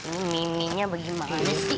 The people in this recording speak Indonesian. ini nininya bagaimana sih